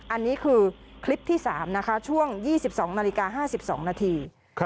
อันนี้คือคลิปที่๓นะคะช่วง๒๒นาฬิกา๕๒นาที